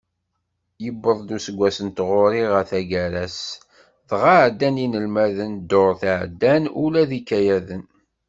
Yewweḍ-d useggas n tɣuri ɣer taggara-s, dɣa sεeddan yinelmaden ddurt iεeddan ula d ikayaden.